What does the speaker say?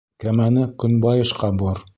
— Кәмәне көнбайышҡа бор.